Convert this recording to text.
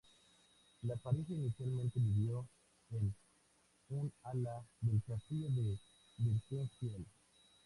La pareja inicialmente vivió en un ala del Castillo de Birkenfeld.